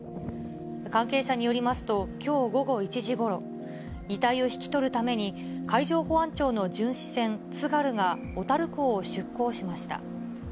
関係者によりますと、きょう午後１時ごろ、遺体を引き取るために、海上保安庁の巡視船つがるが、小樽港を出港しました。